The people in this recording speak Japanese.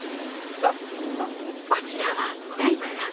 こちらは大工さん。